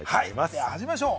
では始めましょう。